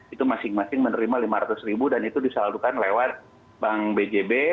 itu masing masing menerima lima ratus ribu dan itu disalurkan lewat bank bjb